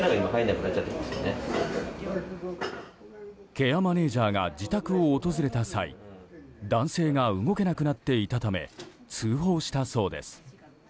ケアマネジャーが自宅を訪れた際男性が動けなくなっていたため通報したそうです。